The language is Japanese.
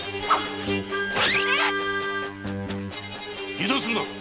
油断するな！